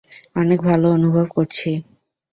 অনেক ভালো অনুভব করছি।